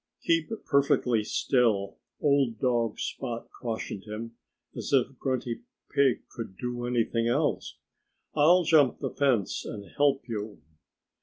"Keep perfectly still!" old dog Spot cautioned him as if Grunty Pig could do anything else. "I'll jump the fence and help you."